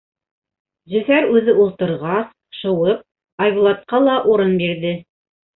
Зөфәр үҙе ултырғас, шыуып, Айбулатҡа, ла урын бирҙе.